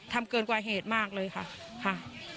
ทำเกินกว่าเหตุมากเลยค่ะค่ะ